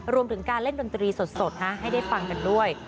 รวมถึงการเล่นดนตรีสดให้ได้ฟังกันด้วย